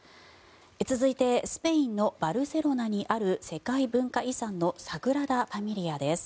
続いてスペインのバルセロナにある世界文化遺産のサグラダ・ファミリアです。